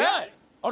あれ？